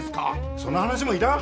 その話もいらん！